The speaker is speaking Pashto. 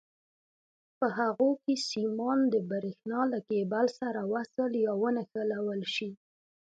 په هغو کې سیمان د برېښنا له کېبل سره وصل یا ونښلول شي.